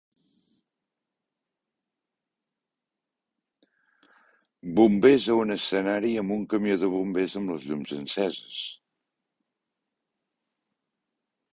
Bombers a un escenari amb un camió de bombers amb les llums enceses